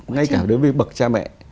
ngay cả đối với bậc cha mẹ